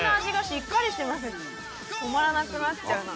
止まらなくなっちゃうな。